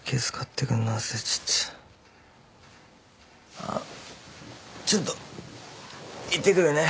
あっちょっと行ってくるね。